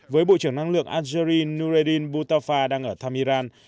với bộ trưởng năng lượng algeri nureddin boutafar đang ở tham iran